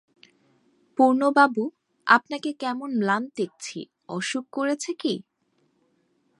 পূর্ণবাবু, আপনাকে কেমন ম্লান দেখছি, অসুখ করেছে কি?